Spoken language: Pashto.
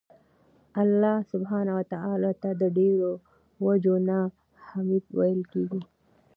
الله سبحانه وتعالی ته د ډيرو وَجُو نه حــمید ویل کیږي